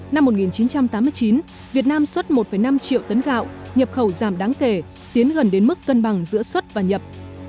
năm một nghìn chín trăm tám mươi chín việt nam xuất một năm triệu tấn gạo nhập khẩu giảm đáng kể tiến gần đến mức cân bằng giữa xuất và nhập